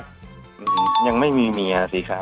อืมยังไม่มีเมียสิครับ